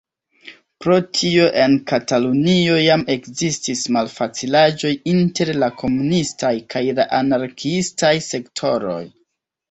Pro tio en Katalunio jam ekzistis malfacilaĵoj inter la komunistaj kaj la anarkiistaj sektoroj.